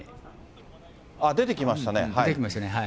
あっ、出てきましたね。